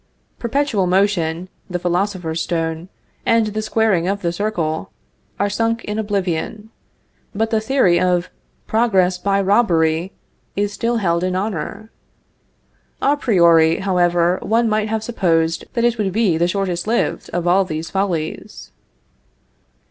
_ Perpetual motion, the philosopher's stone, and the squaring of the circle, are sunk in oblivion; but the theory of progress by robbery is still held in honor. A priori, however, one might have supposed that it would be the shortest lived of all these follies.